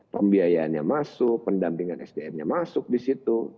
pembiayaannya masuk pendampingan sdm nya masuk di situ